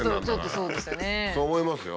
そう思いますよ。